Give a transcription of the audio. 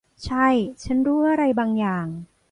ใช่ ฉันรู้อะไรบางอย่าง